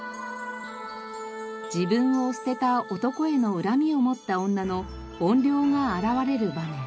自分を捨てた男への恨みを持った女の怨霊が現れる場面。